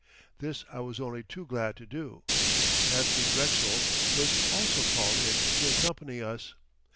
This I was only too glad to do. Anthony Drexel was also called in to accompany us.